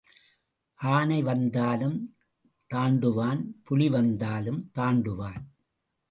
ஆனை வந்தாலும் தாண்டுவான் புலி வந்தாலும் தாண்டுவான்.